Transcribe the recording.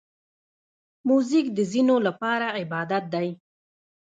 موزیک د ځینو لپاره عبادت دی.